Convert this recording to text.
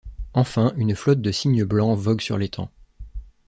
Enfin une flotte de cygnes blancs vogue sur l’étang.